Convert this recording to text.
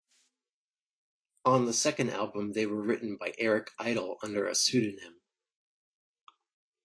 On the second album they were written by Eric Idle under a pseudonym.